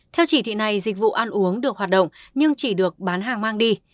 theo chỉ thị này dịch vụ ăn uống được hoạt động nhưng chỉ được bán hàng mang đi